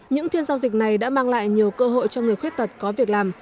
những phiên giao dịch này đã mang lại nhiều cơ hội cho người khuyết tật có việc làm